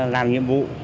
làm nhiệm vụ